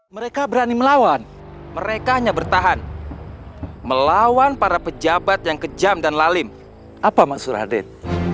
mereka berani melawan merekanya bertahan melawan para pejabat yang kejam dan lalim apa mas surahdin